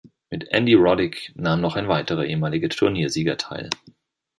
Mit Andy Roddick nahm noch ein weiterer ehemaliger Turniersieger teil.